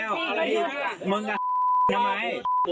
เอาก็แจ้งไปดี